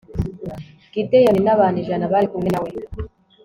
gideyoni n'abantu ijana bari kumwe na we